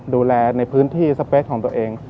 ดูแลในพื้นที่สเปสของตัวเอง